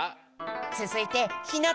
つづいてひなたくん。